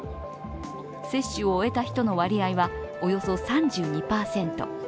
接種を終えた人の割合はおよそ３２％。